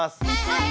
はい！